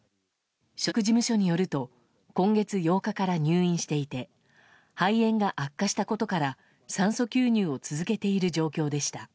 所属事務所によると今月８日から入院していて肺炎が悪化したことから酸素吸入を続けている状態でした。